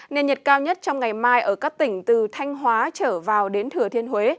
nền nhiệt cao nhất trong ngày mai ở các tỉnh từ thanh hóa trở vào đến thừa thiên huế